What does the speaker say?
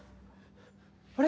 あれ？